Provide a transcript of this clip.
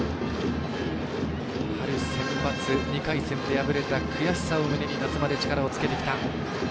春センバツ２回戦で敗れた悔しさを胸に夏まで力をつけてきた。